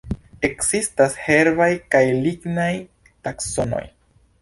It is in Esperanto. Ekzistas herbaj kaj lignaj taksonoj.